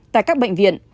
tại các bệnh viện